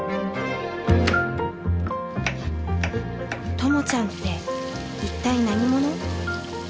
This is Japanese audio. ともちゃんって一体何者？